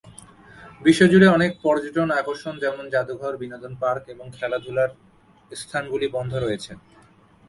বিশ্বজুড়ে অনেক পর্যটন আকর্ষণ যেমন যাদুঘর, বিনোদন পার্ক এবং খেলাধুলার স্থানগুলি, বন্ধ রয়েছে।